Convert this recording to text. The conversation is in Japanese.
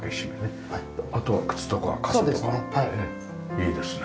いいですね。